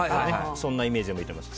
そんなイメージでもいいと思います。